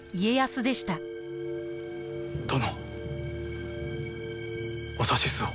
殿お指図を。